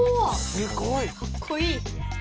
すごい！かっこいい！